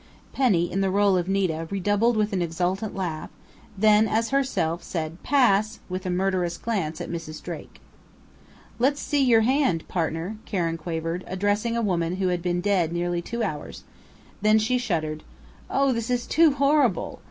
Penny, in the role of Nita, redoubled with an exultant laugh, then, as herself, said, "Pass!" with a murderous glance at Mrs. Drake. "Let's see your hand, partner," Karen quavered, addressing a woman who had been dead nearly two hours; then she shuddered: "Oh, this is too horrible!"